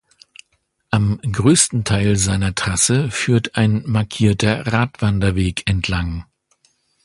Am größten Teil seiner Trasse führt ein markierter Radwanderweg entlang.